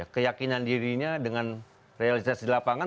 keyakinan dirinya dengan realitas di lapangan